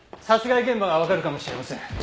殺害現場がわかるかもしれません。